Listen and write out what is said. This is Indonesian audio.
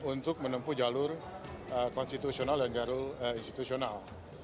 untuk menempuh jalur konstitusional dan garul institusional